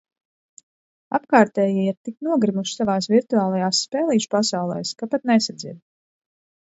Apkārtējie ir tik nogrimuši savās virtuālajās spēlīšu pasaulēs, ka pat nesadzird...